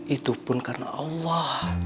itu pun karena allah